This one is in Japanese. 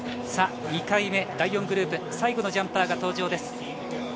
２回目、第４グループ最後のジャンパーが登場です。